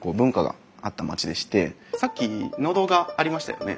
さっき農道がありましたよね？